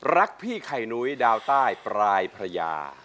รักพี่ไข่นุ้ยดาวใต้ปลายพระยา